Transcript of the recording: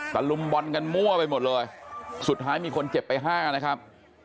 ลุมบอลกันมั่วไปหมดเลยสุดท้ายมีคนเจ็บไปห้านะครับ